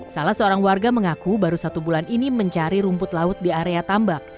salah seorang warga mengaku baru satu bulan ini mencari rumput laut di area tambak